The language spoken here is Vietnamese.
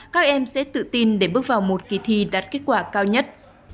các em sẽ tự tin để bước vào một kỳ thi đạt kết quả cao nhất